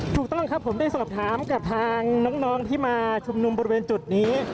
ถูกต้องครับผมได้สอบถามกับทางน้องที่มาชุมนุมบริเวณจุดนี้